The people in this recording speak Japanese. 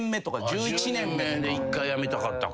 １０年目で一回辞めたかったか。